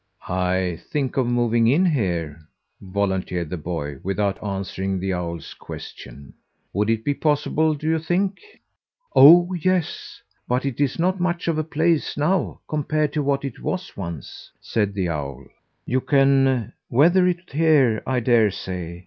"I think of moving in here," volunteered the boy without answering the owl's question. "Would it be possible, do you think?" "Oh, yes but it's not much of a place now compared to what it was once," said the owl. "You can weather it here I dare say.